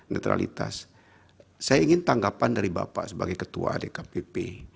netralitas saya ingin tanggapan dari bapak sebagai ketua dkpp